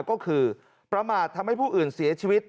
ก็คือประมาททำให้ผู้อื่นเสียชีวิต